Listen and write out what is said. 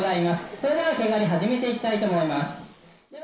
それでは毛刈りを始めていきたいと思います。